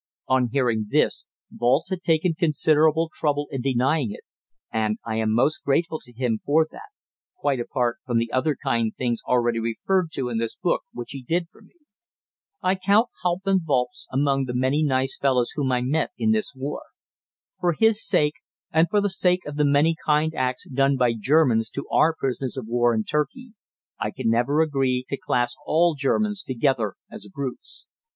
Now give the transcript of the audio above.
On hearing this Walz had taken considerable trouble in denying it, and I am most grateful to him for that, quite apart from the other kind things already referred to in this book which he did for me. I count Hauptmann Walz among the many nice fellows whom I met in this war. For his sake, and for the sake of the many kind acts done by Germans to our prisoners of war in Turkey, I can never agree to class all Germans together as brutes.